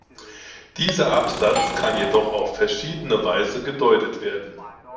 Dieser Absatz kann jedoch auf verschiedene Weise gedeutet werden.